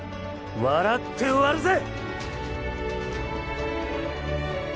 笑って終わるぜ。